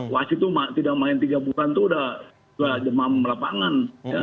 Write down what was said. wasit itu tidak main tiga bulan itu sudah demam lapangan